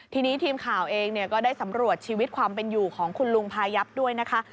ทีนี้ทีมข่าวเองก็ได้สำรวจชีวิตความเป็นอยู่ของคุณลุงพายับด้วยนะคะ